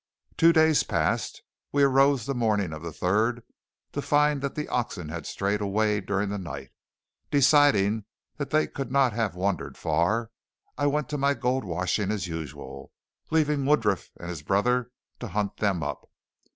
Two days passed. We arose the morning of the third to find that the oxen had strayed away during the night. Deciding they could not have wandered far, I went to my gold washing as usual, leaving Woodruff and his brother to hunt them up.